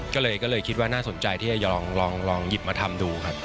ก็เลยคิดว่าน่าสนใจที่จะลองหยิบมาทำดูครับ